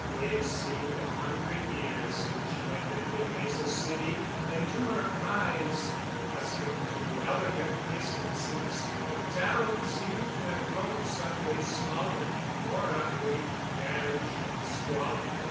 It seemed a hundred years since she had lived in Mesa City, and to her eyes, accustomed to elegant distances, the town seemed to have grown suddenly smaller, more ugly, garish, and squalid.